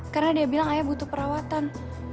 karena dia bilang ayah butuh perawatan